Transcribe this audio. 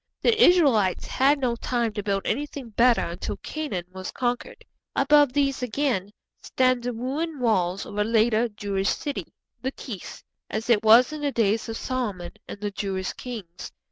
The Israelites had no time to build anything better until Canaan was conquered. Above these again stand the ruined walls of a later Jewish city, Lachish, as it was in the days of Solomon and the Jewish kings.